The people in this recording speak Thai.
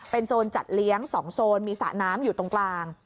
โซนจัดเลี้ยง๒โซนมีสระน้ำอยู่ตรงกลาง